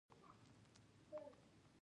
زړه مې راپورته پورته کېږي؛ ښه احساس نه کوم.